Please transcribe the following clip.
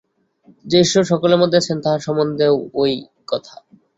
যে ঈশ্বর সকলের মধ্যে আছেন, তাঁহার সম্বন্ধেও ঐ কথা।